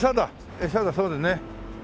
エサだそうだね。